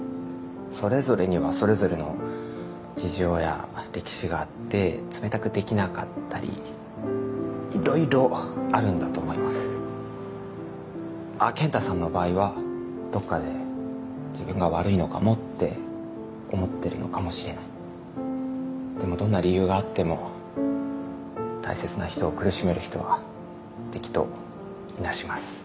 それぞれにはそれぞれの事情や歴史があって冷たくできなかったりいろいろあるんだと思いますあっケンタさんの場合はどっかで自分が悪いのかもって思ってるのかもしれないでもどんな理由があっても大切な人を苦しめる人は敵と見なします